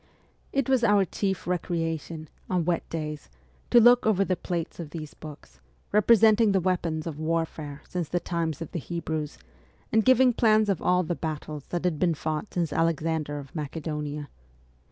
It was our chief recreation, on wet days, to look over the plates of these books, representing the weapons of war fare since the times of the Hebrews, and giving plans of all the battles that had been fought since Alexander of Macedonia.